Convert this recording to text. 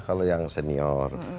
kalau yang senior